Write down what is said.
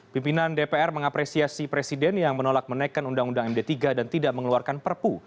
pimpinan dpr mengapresiasi presiden yang menolak menaikkan undang undang md tiga dan tidak mengeluarkan perpu